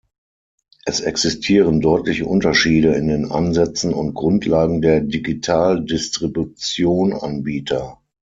Es existieren deutliche Unterschiede in den Ansätzen und Grundlagen der Digital-Distribution-Anbieter.